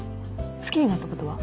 好きになったことは？